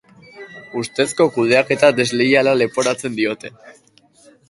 Ustezko kudeaketa desleiala leporatzen diote.